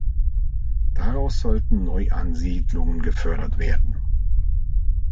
Daraus sollten Neuansiedlungen gefördert werden.